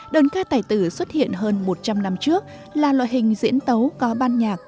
đơn ca tài tử xuất hiện hơn một trăm linh năm trước là loại hình diễn tấu có ban nhạc